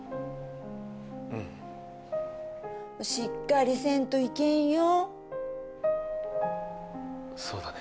うんしっかりせんといけんよ